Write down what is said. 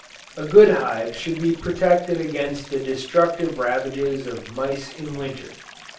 A good hive should be protected against the destructive ravages of mice in winter.